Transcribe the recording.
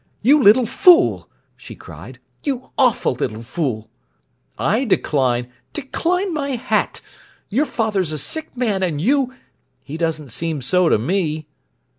"You little fool!" she cried. "You awful little fool!" "I decline—" "Decline, my hat! Your father's a sick man, and you—" "He doesn't seem so to me."